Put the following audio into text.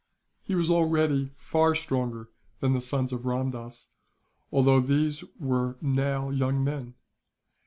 He was already far stronger than the sons of Ramdass, although these were now young men.